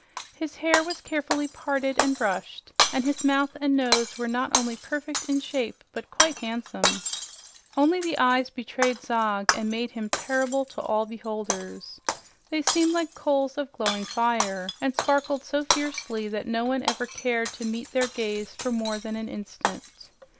His hair was carefully parted and brushed, and his mouth and nose were not only perfect in shape but quite handsome. Only the eyes betrayed Zog and made him terrible to all beholders. They seemed like coals of glowing fire and sparkled so fiercely that no one ever cared to meet their gaze for more than an instant.